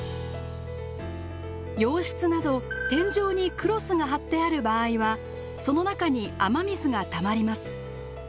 洋室など天井にクロスがはってある場合はその中に雨水がたまります。